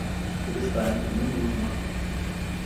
Перестаньте, не нужно!